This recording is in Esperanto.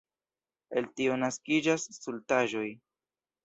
El tio naskiĝas stultaĵoj.